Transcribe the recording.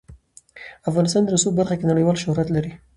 افغانستان د رسوب په برخه کې نړیوال شهرت لري.